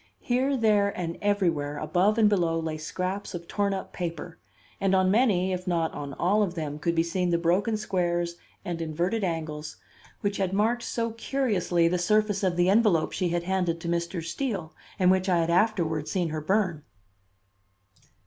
Here, there and everywhere above and below lay scraps of torn up paper; and on many, if not on all of them, could be seen the broken squares and inverted angles which had marked so curiously the surface of the envelope she had handed to Mr. Steele, and which I had afterward seen her burn.